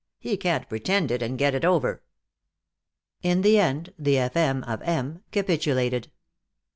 He can't pretend it and get it over." In the end the F.M. of M. capitulated.